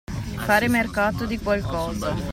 Fare mercato di qualcosa.